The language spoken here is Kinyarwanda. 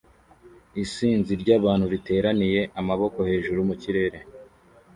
Isinzi ry'abantu riteraniye amaboko hejuru mu kirere